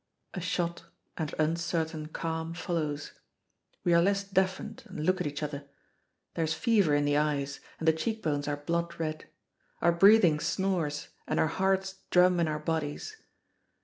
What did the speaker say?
A short and uncertain calm follows. We are less deafened and look at each other. There is fever in the eyes, and the cheek bones are blood red. Our breathing snores and our hearts drum in our bodies.